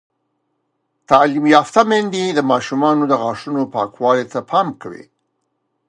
تعلیم یافته میندې د ماشومانو د غاښونو پاکوالي ته پام کوي.